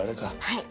はい。